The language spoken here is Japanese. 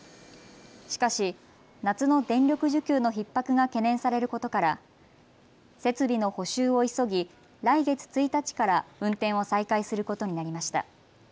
しかし夏の電力需給のひっ迫が懸念されることから設備の補修を急ぎ、来月１日から運転を再開することになりました。